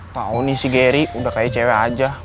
tau nih si gary udah kayak cewek aja